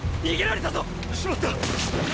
しまった！！